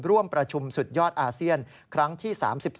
ร่วมประชุมสุดยอดอาเซียนครั้งที่๓๒